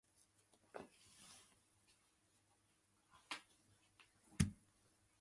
広西チワン族自治区の自治区首府は南寧である